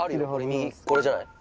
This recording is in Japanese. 右これじゃない？